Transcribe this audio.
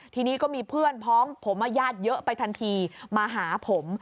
ทีนี้ก็มีเพื่อนพ้องผมมาญาติเยอะไปทันทีมาหาผม